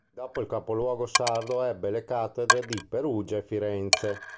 Dopo il capoluogo sardo ebbe le cattedre di Perugia e Firenze.